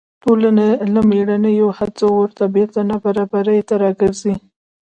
ټولنې له لومړنیو هڅو وروسته بېرته نابرابرۍ ته راګرځي.